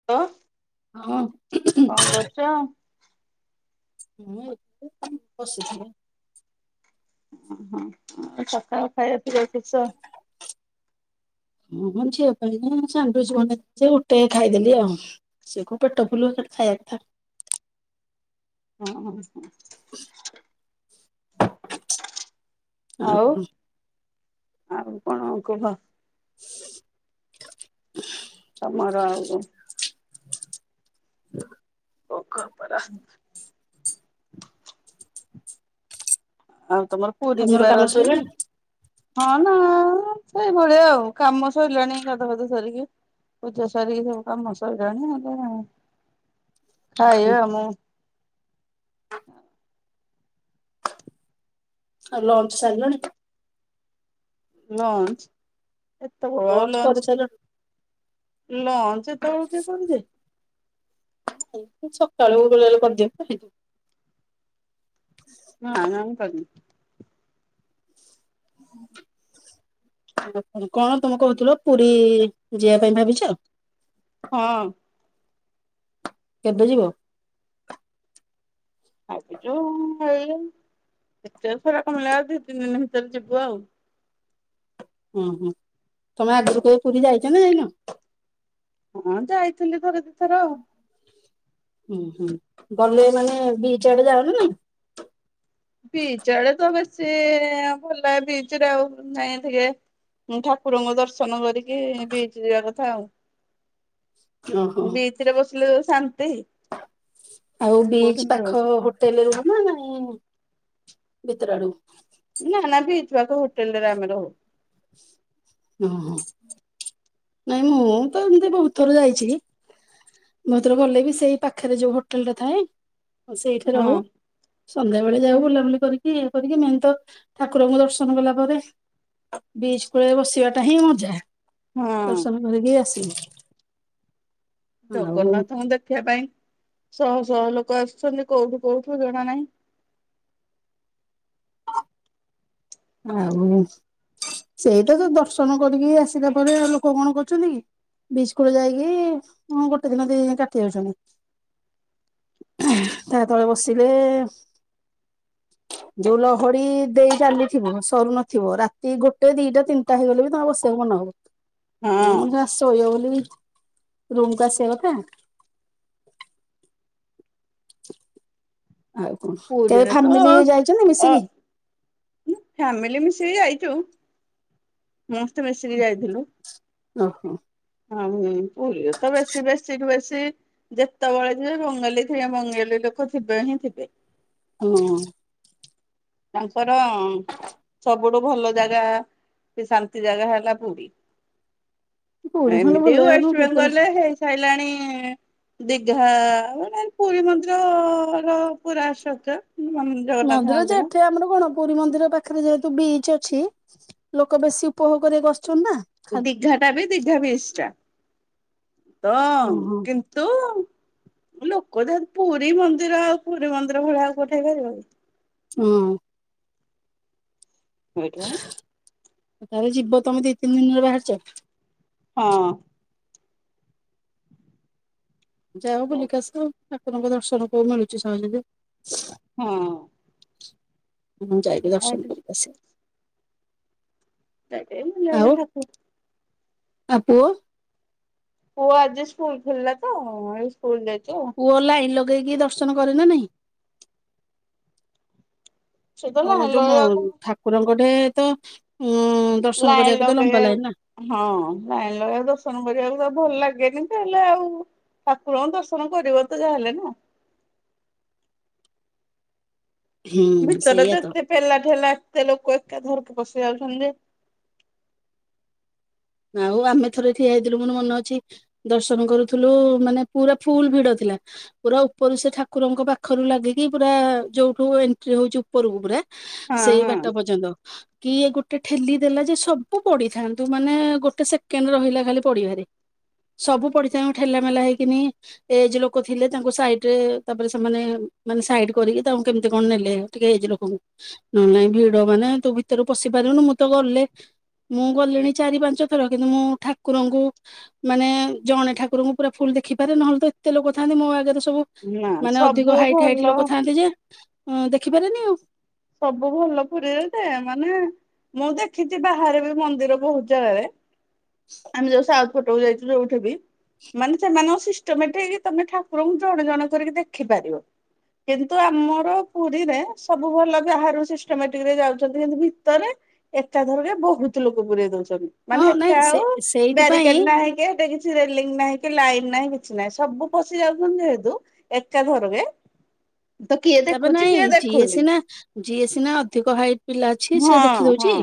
[unintelligible] [unintelligible] କଁ କରୁଚ। ମୁଁ [unintelligible] ବସିଥିଲି। ଅହଁ ହଁ ସକାଳୁ ଖାଇବା ଟିକେ। [unintelligible] [unintelligible] ଝିଅ ପାଇଁ ମୁଁ ସାଣ୍ଡ୍ୱିଚ୍ ବନେଇ ଗୋଟେ ଖାଇଦେଲି ଆଉ। ସିଏ କୋଉ ପେଟ ଫୁଲ୍ ହବ ଖାଲି ଖାଇବା କଥା। ହଁ ହଁ। ଆଉ ଆଉ କଣ କୁହ। [inaudible] ତମର [unintelligible] [unintelligible] ଆଉ ତମର ପୁରୀ ଯିବାର କାମ ଅଛି କି। ସରିଲାଣି ହଁ ନା ସେଇଭଳିଆ ଆଉ କାମ ସଇଲାଣି ଗାଧୁଆ ଫାଦୁଆ ସାରିକି ପୂଜା ସାରିକି ସବୁ କାମ ସଇଲାଣି [unintelligible] ହୁଁ। ଖାଇବା ମୁଁ ଆଉ ଲଞ୍ଚ ସାରିଲଣି। ଲଞ୍ଚ ଏତୋବୋଳୁ ଆଉ ଲଞ୍ଚ ଲଞ୍ଚ ଏତୋବୋଳୁ କିଏ କରିଦିଏ। [unintelligible] ସକାଳୁ [unintelligible] ନା ନା ମୁଁ କରିନି। [inaudible] [unintelligible] କଣ ତମେ କୋହୁଥୁଲ ପୁରୀ ଯିବା ପାଇଁ ଭାବିଚ। ହଁ। କେବେ ଯିବ। ଭାବିଚୁ ଏଇ [unintelligible] ମିଳା ଆଉ ଦି ତିନି ଦିନ ଭିତେରେ ଯିବୁ ଆଉ। ହୁଁ ହୁଁ ତମେ ଆଗୁରୁ କେବେ ପୁରୀ ଯାଇଚ ନା ଯାଇନ? ହଁ ଯାଇଥିଲି ଥରେ ଦିଥର। ହୁଁ ହୁଁ ଗଲେ ମାନେ ବିଚ୍ ଆଡେ ଯାଅ ନା ନାଇଁ? ବିଚ୍ ଆଡେ ତ ବେଶୀ ଆଉଁ ଭଲ ବିଚ୍ ରେ ଆଉ ନାଇଁ ଟିକେ ଠାକୁରଙ୍କୁ ଦର୍ଶନ କରିକି ବିଚ୍ ଯିବା କଥା ଆଉ। ଓହୋ। ବିଚ୍ ରେ ବସିଲେ ଯୋଉ ଶାନ୍ତି ଆଉ ଆଉ ବିଚ୍ କୋଉଠୁ ପାଖ ମିଳିବନି। [unintelligible] ନା ନା ବିଚ୍ ପାଖ ହୋଟେଲ ରେ ଆମେ ରହୁ। ଅଁ ହଁ ନାଇଁ ମୁଁ ତ ଏମିତି ବହୁତ ଥର ଯାଇଛି। ମାତ୍ର ଗଲେବି ସେଇ ପାଖେରେ ଯୋଉ ହୋଟେଲ ଟା ଥାଏ ସେଇଠି ହଁ ରହୁ। ସନ୍ଧ୍ୟା ବେଳେ ଯାଉ ବୁଲାବୁଲି କରିକି ଇଏ କରିକି ମେନ ତ ଠାକୁରଙ୍କୁ ଦର୍ଶନ କଲା ପରେ ବିଚ୍ କୂଳେ ବସି ବାଟା ହିଁ ମଜା ହଁ ଦର୍ଶନ କରିକି ଆସିିବି। ଜଗନ୍ନାଥଙ୍କୁ ଦେଖିବା ପାଇଁ ଶହ ଶହ ଲୋକ ଆସୁଛନ୍ତି କୋଉଠୁ କୋଉଠୁ ଜଣା ନାହିଁ। ଆଉ ସେଇ ତ ଦର୍ଶନ କରିକି ଆସିଲା ପରେ ଆଉ ଲୋକ କଣ କରୁଛନ୍ତି କି? ବିଚ୍ କୂଳ ଯାଇକି ଉଁ ଗୋଟେ ଦିନ ଦି ଦିନି କାଟି ଦଉଛନ୍ତି। ତା ତଳେ ବସିଲେ ଯୋଉ ଲହଡ଼ି ଦେଇ ଚାଲି ଥିବ ସରୁ ନଥିବ ରାତି ଗୋଟେ ଦିଟା ତିନିଟା ହେଇଗଲେ ବି ତମେ ବସିଆକୁ ମନ ହବ। [unintelligible] ହଁ ଯା ଶୋଇବ ବୋଲି ରୁମ୍ କୁ ଆସିବା କଥା। ଆଉ କଣ କେବେ ପୁରୀରେ ତ ଫ୍ୟାମିଲି ଯାଇଛ ନା ମିଶିକି? ହୁଁ ଫ୍ୟାମିଲି ମିଶିକି ଯାଇଚୁ ମସ୍ତେ ମିଶିକି ଯାଇଥିଲୁ। ଓହୋ। ହଁ ହୁଁ ପୁରୀରେ ତ ବେଶୀ ବେଶୀରୁ ବେଶୀ ଯେତେବେଳେ ଯିବେ ବଙ୍ଗାଲୀ ଥିବେ ବଙ୍ଗାଲୀ ଲୋକ ଥିବେ ହିଁ ଥିବେ। ହୁଁ। ତାଙ୍କର ସବୁଠୁ ଭଲ ଜାଗା କି ଶାନ୍ତି ଜାଗା ହେଲା ପୁରୀ। ପୁରୀ ଖଣ୍ଡେ ଏମିତି ଭଲ ଜାଗା ନୁହଁ ୱେଷ୍ଟ କି ପୁରା ବେଙ୍ଗଲ ରେ ହେଇ ସାଇଲାଣି ଦୀଘା ମାନେ ପୁରୀ ମନ୍ଦିର ର ପୁରା ଷ୍ଟ୍ରକ୍ଚର [unintelligible] ମନ୍ଦିର ଯେ ଏଠେଇ ଆମର କଣ ପୁରୀ ମନ୍ଦିର ପାଖେରେ ଯେହେତୁ ବିଚ୍ ଅଛି ଲୋକ ବେଶୀ ଉପଭୋଗ କରିଆକୁ ଆସୁଛନ୍ତି ନା। ଖାଲି ଦୀଘା ଟା ବି ଦୀଘା ବିଚ୍ ଟା ତ ଓହୋ କି ନ୍ତୁ ଲୋକ ଯେହେ ପୁରୀ ମନ୍ଦିର ଆଉ ପୁରୀ ମନ୍ଦିର ଭଳିଆ ଆଉ କୋଉଠି ହେଇ ପାରିବ କି! ହୁଁ। ଏଥିପାଇଁ ତାହେଲେ ଯିବ ତମେ ଦି ତିନି ଦିନରେ ବାହାରିଚ? ହଁ। ଯାଅ ହଁ ବୁଲିକି ଆସ ଠାକୁରଙ୍କ ଦର୍ଶନ କୋଉ ମିଳୁଚି ସହଜେ ଯେ। ହଁ। ହୁଁ ଯାଇକି ଦର୍ଶନ କରିକି ଆସ। [unintelligible] ଯା ହେଲେ ଠାକୁ ଆ ପୁଅ? ପୁଅ ଆଜି ସ୍କୁଲ ଖୋଲିଲା ତ ଏଇ ସ୍କୁଲ ଯାଇଚି ଆଉ। ପୁଅ ଲାଇନ୍ ଲଗେଇକି ଦର୍ଶନ କରେ ନା ନାଇଁ? ସେ ତ ହଁ ଲାଇନ ଯୋଉ ମ ଲଗେଇବାକୁ ଠାକୁରଙ୍କ ଟେ ତ ଉଁ ଦର୍ଶନ ଲାଇନ କରିବାକୁ ତ ଲମ୍ବା ଲାଇନ ନା। ଲଗେଇବାକୁ ହଁ ଲାଇନ୍ ଲଗେଇକୁ ଦର୍ଶନ କରିବାକୁ ତ ଭଲ ଲାଗେନି ତାହେଲେ ଆଉ ଠାକୁରଙ୍କ ଦର୍ଶନ କରିବ ତ ଯାହା ହେଲେ ନା। ହୁଁ ଭିତରେ ସେଇଆ ତ ଏତେ ପେଲା ଠେଲା ଏତେ ଲୋକ ଏକା ଥରକେ ପଶି ଯାଉଚନ୍ତି ଜେ ଆଉ ଆମେ ଥରେ ଠିଆ ହେଇଥିଲୁ ମୋର ମନେ ଅଛି ଦର୍ଶନ କରୁଥିଲୁ ମାନେ ପୁରା ଫୁଲ୍ ଭିଡ ଥିଲା? ପୁରା ଉପରୁ ସେ ଠାକୁରଙ୍କ ପାଖରୁ ଲାଗିକି ପୁରା ଯୋଉଠୁ ଏଣ୍ଟ୍ରି ହୋଉଚୁ ଉ ପରକୁ ପୁରା ହଁ ସେଇ ବାଟ ହଁ। ପର୍ଯ୍ୟନ୍ତ? କିଏ ଗୋଟେ ଠେଲି ଦେଲା ଯେ ସବୁ ପଡିଥାନ୍ତୁ ମାନେ ଗୋଟେ ସେକେଣ୍ଡ ରହିଲା ଖାଲି ପଡିବାରେ ସବୁ ପଡିଥାଉଁ ଠେଲା ମେଲା ହେଇକିନି ଏ ଯେ ଲୋକ ଥିଲେ ତାଙ୍କୁ ସାଇଟି ରେ ତାପରେ ସେମାନେ ମାନେ ସାଇଟି କରିକି ତାଙ୍କୁ କେମତି କଣ ନେଲେ? ଟିକେ ଏଜେ ଲୋକଙ୍କୁ ନହେ ନାଇଁ ଭିଡ ମାନେ ତୁ ଭିତରୁ ପଶି ପାରିବୁନୁ ମୁଁ ତ ଗଲେ ମୁଁ ଗଲିଣି ଚାରି ପାଞ୍ଚ ଥର କିନ୍ତୁ ମୁଁ ଠାକୁରଙ୍କୁ? ମାନେ ଜଣେ ଠାକୁରଙ୍କୁ ପୁରା ଫୁଲ ଦେଖିପାରେ ନହେଲେ ତ ଏତେ ଲୋକ ଥାନ୍ତି ମୋ ଆଗରେ ସବୁ? ନା ମାନେ ସବୁ ଅଧିକ ହାଇଟ୍ ହାଇଟ୍ ଭଲ ଲୋକ ଥାନ୍ତି ଯେ ଦେଖିପାରେନି ଆଉ? ସବୁ ଭଲ ପୁରୀରେ ଜେ ମାନେ ମୁଁ ଦେଖିଚି ବାହାରେ ବି ମନ୍ଦିର ବୋହୁତ୍ ଜାଗାରେ ଆମେ ଯୋଉ ସାଉ ଫୋଟୋକୁ ଯାଇଥିଲୁ ଯୋଉଠି ବି ମାନେ ସେମାନଙ୍କ ସିଷ୍ଟମେଟିକ ତମେ ଠାକୁରଙ୍କୁ ଜଣେ ଜଣେ କରିକି ଦେଖିପାରିବ? କିନ୍ତୁ ଆମର ପୁରୀରେ ସବୁ ଭଲ ବାହାରୁ ସିଷ୍ଟମେଟିକରେ ଯାଉଚନ୍ତି କିନ୍ତୁ ଭିତରେ ଏକାଥରକେ ବୋହୁତ ଲୋକ ପୁରରେଇ ଦୋଉଚନ୍ତି। ହଁ ମାନେ ନାଇଁ ହେଠା ସେ ଆଉ ସେଇଥିପାଇଁ ବ୍ୟାରିକେଟେ ନାହିଁ କି ହେଟା କି ରେଲିଙ୍ଗ୍ ନାହିଁ କି ଲାଇନ୍ ନାହିଁ କିଛି ନାହିଁ ସବୁ ପଶି ଯାଉଚନ୍ତି ଯେହେତୁ ଏକାଥରକେ? ତ କିଏ ତାପରେ ଦେଖୁଚି ନାଇଁ କିଏ ଯିଏ ଦେଖୁନି। ସିନା ଯିଏ ସିନା ଅଧିକ ହାଇଟ୍ ପିଲା ଅଛି ସେ ଦେଖି ହଁ ଦୋଉଚି? ହଁ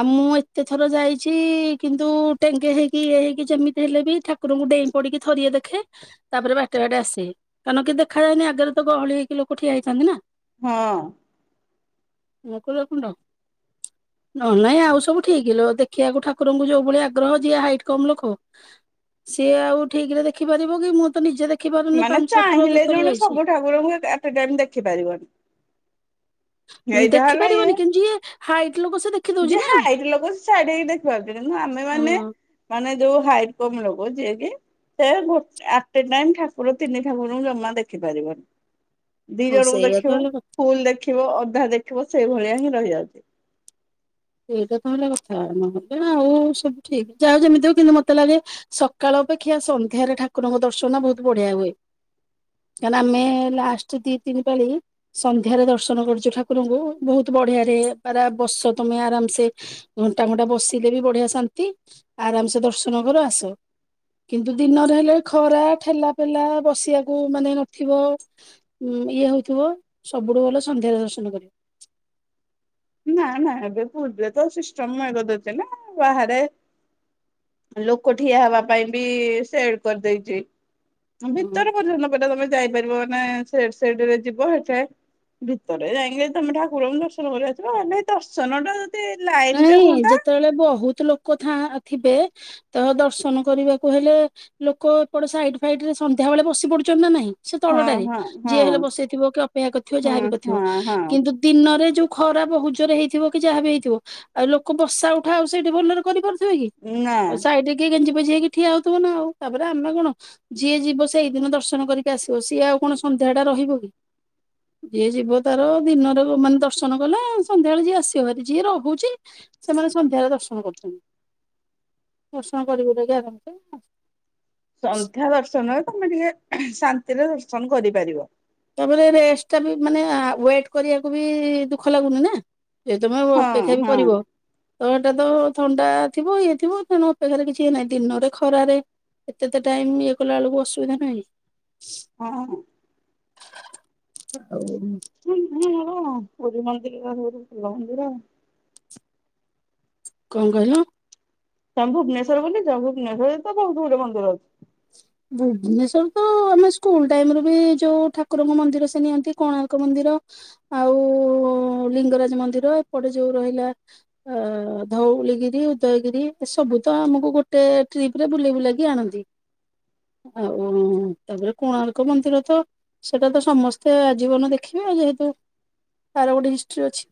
ଆଉ ମୁଁ ଏତେଥର ଯାଇଚି କିନ୍ତୁ ଟେଙ୍କେ ହେଇକି ଇଏ ହେଇକି ଯେମିତି ହେଲେ ବି ଠା କୁ ରୁଙ୍କୁ ଡେଇଁ ପଡିକି ଥରିଏ ଦେଖେ? ତାପରେ ବାଟେ ବାଟେ ଆସେ କାରଣ କି ଦେଖାଯାଏନି ଆଗରେ ତ ଗହଳି ହେଇକି ଲୋକ ଠିଆ ହେଇଥାନ୍ତି ନା? ହଁ। ମକରକୁଣ୍ଡ? [inaudible] ନହେନେ ନାଇଁ ଆଉ ସବୁ ଠିକ୍ ଲୋ ଦେଖିବାକୁ ଠାକୁରଙ୍କୁ ଯୋଉ ଭଳି ଆଗ୍ରହ ଯିଏ ହାଇଟ୍ କମ୍ ଲୋକ ସିଏ ଆଉ ଠିକ୍ ରେ ଦେଖିପାରିବ କି ମୁଁ ତ ନିଜେ ଦେଖି ପାରୁନି ମାନେ ପାଞ୍ଚ ଛଅ ଥର ଚାହିଁଲେ ଯେତେବେଳେ ଜଣେ ଯାଇଚି। ସବୁ ଠାକୁରଙ୍କୁ ଆଥେ ଟାଇମ ଦେଖିପାରିବନି। ଏଇଟା ଦେଖି ପାରିବନି କେମିତି ଯିଏ ହାଇଟ୍ ଲୋକ ସେ ଦେ ଯେ ହା ହାଇଟ୍ ଲୋକ ଛାଡକି ଦେଖପାରୁଥିଲେ କିନ୍ତୁ ଆମେମାନେ ହଁ। ମାନେ ଯୋଉ ହାଇଟ୍ କମ୍ ଲବ ଯିଏ କି ସେ ଗୋଟେ ଆଟେ ଟାଇମ୍ ଠାକୁର ତିନି ଠାକୁରଙ୍କୁ ଜମା ଦେଖି ପାରିବନି? ଦିଇ ହଁ ଜଣଙ୍କୁ ସେଇଆ ତ ଦେଖିବ ହେଲା କଥା ଫୁଲ୍ ଦେଖିବ ଅଧା ଦେଖିବ ସେଇଭଳିଆ ହିଁ ରହିଯାଉଚି? ସେଇଟା ତ ହେଲା କଥା ନହେଲେ ଆଉ ସବୁ ଠିକ୍ ଯାହା ଯେମିତି ହୋଉ କିନ୍ତୁ ମତେ ଲାଗେ ସକାଳ ଅପେକ୍ଷା ସନ୍ଧ୍ୟାରେ ଠାକୁରଙ୍କ ଦର୍ଶନ ବୋହୁତ ବଢିଆ ହୁଏ। କାଁ ନା ଆମେ ଲାଷ୍ଟେ ଦି ତିନି ପାଳି ସନ୍ଧ୍ୟାରେ ଦର୍ଶନ କରିଚୁ ଠାକୁରଙ୍କୁ ଭୋହୁତୁ ବଢିଆରେ ପାରା ବସିସନ୍ତ ତମେ ଆରାମସେ ଘଣ୍ଟା ଘଣ୍ଟା ବସିଲେ ବି ବଢିଆ ଶାନ୍ତି? ଆରାମ୍ ସେ ଦର୍ଶନ କର ଆସ। କିନ୍ତୁ ଦିନରେ ହେଲେ ଖରା ଠେଲା ପେଲା ବସିବାକୁ ମାନେ ନଥିବ। ଉଁ ଇଏ ହଉଥିବ ସବୁଠୁ ଭଲ ସନ୍ଧ୍ୟାରେ ଦର୍ଶନ କରିବ। ନାଁ ନାଁ ଏବେ ପୁରୀରେ ତ ସିଷ୍ଟମ୍ [unintelligible] ନା ବାହାରେ ଲୋକ ଠିଆ ହେବା ପାଇଁ ବି ସେଟ୍ କରିଦେଇଛି। ହଁ ହୁଁ ଭିତର ପର୍ଯ୍ୟନ୍ତ ପରା ତମେ ଯାଇପାରିବ ମାନେ ସେଡ୍ ସେଡ୍ ରେ ଯିବ ସେ ଭିତରେ ଯାଇକି ତମେ ଠାକୁରଙ୍କୁ ଦର୍ଶନ କରିକି ଆସିବ ହେଲେ ଏ ଦର୍ଶନ ଟା ଯଦି ଲାଇନ୍ ରେ ନାଇଁ ହୁଅନ୍ତା ଯେତେବେଳେ ବହୁତ ଲୋକ ଥା ଥିବେ ତ ଦର୍ଶନ କରିବାକୁ ହେଲେ ଲୋକ ଏପଟ ସାଇଡ୍ ଫାଇଡ୍ ରେ ସନ୍ଧ୍ୟା ବେଳେ ବସି ପଡ଼ୁଛନ୍ତି ନା ନାଇଁ? ସେ ହଁ ତଳଟାରେ ହଁ ହଁ ଯିଏ ହେଲେ ବସିଥିବ କି ଅପେକ୍ଷା କରିଥିବ ଯାହାବି ହଁ କରିଥିବ ହଁ ହଁ କିନ୍ତୁ ଦିନରେ ଯୋଉ ଖରା ବହୁତ୍ ଜୋରେ ହେଇଥିବ କି ଯାହା ବି ହେଇଥିବ ଆଉ ଲୋକ ବସା ଉଠା ଆଉ ସେଇଠି ଭଲରେ କରିପାରୁଥିବେ କି ନା ଆଉ ସାଇଟି କି ଗେଞ୍ଜି ପେଞ୍ଜି ହେଇକି ଠିଆ ହଉଥିବ ନା ଆଉ ତାପରେ ଆମେ କଣ? ଯିଏ ଯିବ ସେଇ ଦିନ ଦର୍ଶନ କରିକି ଆସିବ ସିଏ ଆଉ କଣ ସନ୍ଧ୍ୟା ଟା ରହିବ କି? ଯିଏ ଯିବ ତାର ଦିନରେ ମାନେ ଦର୍ଶନ କଲା ସଧ୍ୟାବେଳେ ଯିଏ ଆସିବ ଭାର ଯିଏ ରହୁ ଛି ସେମାନେ ସନ୍ଧ୍ୟାରେ ଦର୍ଶନ କରୁଛନ୍ତି ଦର୍ଶନ କରି କୁରାକି ଆରାମ୍ ସେ ଆସ ସନ୍ଧ୍ୟା ଦର୍ଶନ ତମେ ଟିକେ ଶାନ୍ତିରେ ଦର୍ଶନ କରିପାରିବ ‌। ତାପରେ ରେଷ୍ଟ ଟା ବି ମାନେ ୱେଟ୍ କରିବାକୁ ବି ଦୁଃଖ ଲାଗୁନି ନା? ଜଦି ତମେ ହଁ ଅପେକ୍ଷା ବି ହଁ କରିବ। ତଳଟା ତ ଥଣ୍ଡା ଥିବ ଇଏ ଥିବ ତେଣୁ ଅପେକ୍ଷାରେ କିଛି ଇଏ ନାହିଁ ଦିନରେ ଖରାରେ ଏତେ ତ ଟାଇମ୍ ଇଏ କଲା ବେଳକୁ ଅସୁବିଧା ନାହିଁ? ହଁ। [unintelligible] [unintelligible] କଣ କହିଲ? ତମେ ଭୁବନେଶ୍ୱର ବୁଲିଚ ଭୁବନେଶ୍ୱରରେ ତ ବହୁତ ଗୁଡ଼େ ମନ୍ଦିର ଅଛି। ଭୁବନେଶ୍ଵର ତ ଆମେ ସ୍କୁଲ ଟାଇମ୍ ରେ ବି ଯୋଉ ଠାକୁରଙ୍କ ମନ୍ଦିର ସେ ନିଅନ୍ତି କୋଣାର୍କ ମନ୍ଦିର। ଆଉ ଲିଙ୍ଗରାଜ ମନ୍ଦିର ଏପଟେ ଯୋଉ ରହିଲା ଅ ଧଉଳିଗିରି ଉଦୟଗିରି ଏସବୁ ତ ଆମକୁ ଗୋଟେ ଟ୍ରିପ୍ ରେ ବୁଲେଇ ବୁଲେଇକି ଆଣନ୍ତି। ଆଉ ତାପରେ କୋଣାର୍କ ମନ୍ଦିର ତ ସେଟା ତ ସମସ୍ତେ ଆ ଜୀବନ ଦେଖିବେ ଆଉ ଯେହେତୁ ତାର ଗୋଟେ ହିଷ୍ଟ୍ରୀି ଅଛି।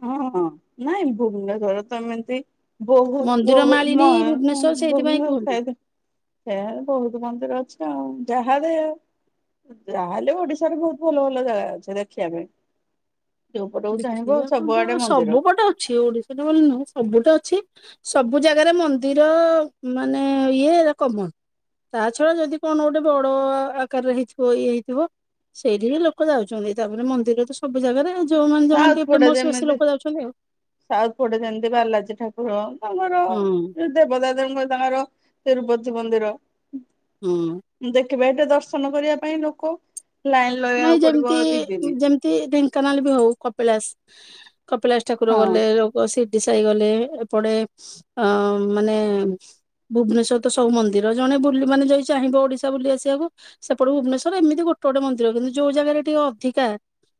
ହଁ ହଁ ନାଇଁ ଭୁବନେଶ୍ୱର ତ ଏମତି ମନ୍ଦିର ମାଳିନୀ ଭୁବନେଶ୍ଵର ସେଇଥିପାଇଁ କୁହନ୍ତି। [unintelligible] ସେ ଆ ବହୁତ ମନ୍ଦିର ଅଛି ଆଉ ଯାହାଲେ ଯାହାହେଲେ ଓଡ଼ିଶାରେ ବହୁତ୍ ଭଲ ଭଲ ଜାଗା ଅଛି ଦେଖିବା ପାଇଁ ଯୋଉ ପଟକୁ ଚାହିଁବ ଆଉ। [unintelligible] ସବୁ ପଟେ ଅଛି ଓଡ଼ିଶା ରେ ବୋଲିନୁହଁ ସବୁଟେ ଅଛି! ସବୁ ଜାଗାରେ ମନ୍ଦିର ମାନେ ଇଏ କମନ୍। ତା ଛଡ଼ା ଯଦି କଣ ଗୋଟେ ବଡ଼ ଆକାରରେ ହେଇଥିବ ଇଏ ହେଇଥିବ। ସେଇଠି ବି ଲୋକ ଯାଉଛନ୍ତି ତାପରେ ମନ୍ଦିର ତ ସବୁ ଜାଗାରେ ଯଉମାନେ ଯୋଉମାନେ ସାଉଥ ଟିକେ ପଟେ ଫେମସ ବେଶୀ ଯେମିତି ଲୋକ ଯାଉଛନ୍ତି ଆଉ। ସାଉଥ ପଟେ ଯେମିତି ବାଲାଜୀ ଠାକୁର ତମର ହଁ ଯେ ଦେବଦା ଦେବଙ୍କ ତାଙ୍କର ତିରୁପତି ମନ୍ଦିର। ହୁଁ। ଦେଖିବେ ଏଟେ ଦର୍ଶନ କରିବା ପାଇଁ ଲୋକ ଲାଇନ୍ ନାଇଁ ଲଗାଇବାକୁ ଯେମିତି ପଡ଼ିବ ଦି ଦିନି। ଯେମିତି ଢେଙ୍କାନାଳ ବି ହଉ କପିଳାସ କପିଳାସ ଠାକୁର ହଁ ଗଲେ ସିରିଡି ସାଇ ଗଲେ ଏପଟେ ଅ ମାନେ ଭୁବନେଶ୍ଵର ତ ସବୁ ମନ୍ଦିର ଜଣେ ବୁଲି ମାନେ ଯଦି ଚାହିଁବ ଓଡ଼ିଶା ବୁଲି ଆସିବାକୁ ସେପଟୁ ଭୁବନେଶ୍ଵର ଏମିତି ଗୋଟେ ଗୋଟେ ମନ୍ଦ କିନ୍ତୁ ଯୋଉ ଜାଗାରେ ଟିକେ ଅଧିକା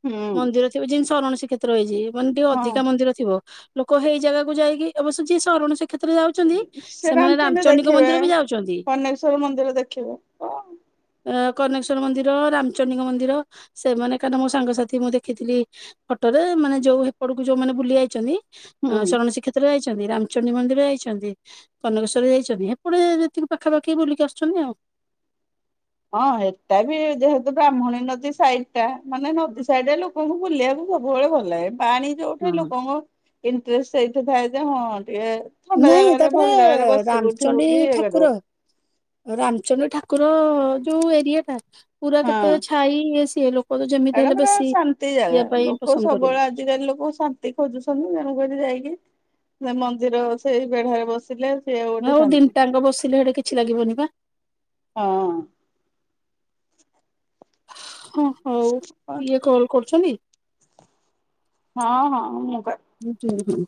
ହୁଁ ମନ୍ଦିର ଥିବ ଯେମିତି ସରଣ ସୀକ୍ଷେ ରଇଛି ମାନେ ଟିକେ ହଁ ଅଧିକା ମନ୍ଦିର ଥିବ ଲୋକ ହେଇ ଜାଗାକୁ ଯାଇକି ଅବଶ୍ୟ ଯିଏ ସରଣ ଶିଖ କ୍ଷେତ୍ର ଯାଉଛନ୍ତି ସେ ସେମାନେ ରାମଚଣ୍ଡୀ ରାମଚଣ୍ଡି ଙ୍କ ଦେଖିବେ ମନ୍ଦିର ବି ଯାଉଛନ୍ତି। କନେଶ୍ଵର ମନ୍ଦିର ଦେଖିବେ ତ କନେକେଶ୍ୱର ମନ୍ଦିର ରାମ ଚଣ୍ଡୀ ଙ୍କ ମନ୍ଦିର ସେମାନେ କାହିଁକ ନା ମୋ ସାଙ୍ଗସାଥି ମୁଁ ଦେଖିଥିଲି ଫଟୋରେ ମାନେ ଯୋଉ ହେପଟକୁ ଯୋଉମାନେ ବୁଲି ଯାଇଛନ୍ତି ହୁଁ ସରଣ ସୀକ୍ଷେତ୍ରରେ ଯାଇଛନ୍ତି ରାମ ଚଣ୍ଡୀ ମନ୍ଦିର ଯାଇଛନ୍ତି କନକେଶ୍ୱର ଯାଇଛନ୍ତି ହେପଟେ ଯେତିକି ପାଖାପାଖି ବୁଲିକି ଆସୁଛନ୍ତି ଆଉ। ହଁ ହେଟା ବି ଯେହେତୁ ବ୍ରାହ୍ମଣୀ ନଦୀ ସାଇଟଟା ମାନେ ନଦୀ ସାଇଡରେ ଲୁ ଲୁକଙ୍କୁ ବୁଲିବାକୁ ସବୁବେଳେ ଭଲ ଲାଗେ ପାଣି ଯଉଠେ ହଁ ଲୁକଙ୍କ ଇଣ୍ଟରେଷ୍ଟ ସେଇଠି ଥାଏ ଯେ ହଁ ଟିକେ ଥଣ୍ଡା ନାଇଁ ଜାଗାରେ ଭଲ ତାପରେ ଜାଗାରେ ବସିବୁ ଉଠିବୁ ରାମଚଣ୍ଡୀ କି ଇଏ କରିବୁ ଠାକୁର ରାମଚଣ୍ଡି ଠାକୁର ଯଉ ଏରିଆଟା ପୁରା କେତେ ଛାଇ ଇଏ ସିଏ ଲୋ ଏଟା ପୁରା ଶାନ୍ତି ଜାଗା ଲୋକ ପସନ୍ଦ କରିବେ। ସବୁବେଳେ ଆଜ ଆଜିକାଲି ଲୋକ ଶାନ୍ତି ଖୋଜୁଛନ୍ତି ତେଣୁକରି ଯାଇକି ସେ ମନ୍ଦିର ସେଇ ବେଢାରେ ବସିଲେ ସିଏ ଗୋଟେ ଆଉ ଦିନ୍ ଶାନ୍ତି ଟାଙ୍କ ବସିଲେ ହେଠେ କିଛି ଲାଗିବନି ପା। ହଁ। ହଁ ହଉ ହଁ ଇଏ କଲ କରୁଛନ୍ତି ହଁ ହଁ ମୁଁ ପା ହୁଁ ହୁଁ।